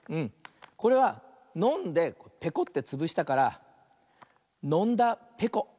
これはのんでぺこってつぶしたから「のんだぺこ」。